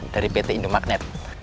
dari pt indomagnet